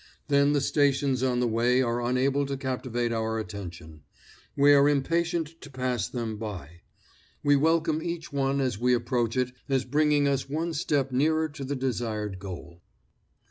Then the stations on the way are unable to captivate our attention; we are impatient to pass them by; we welcome each one as we approach it as bringing us one step nearer to the desired goal.